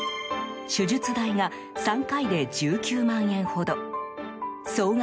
手術代が３回で１９万円ほど総額